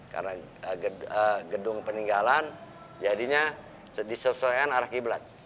karena gedung peninggalan jadinya disesuaikan arah kiblat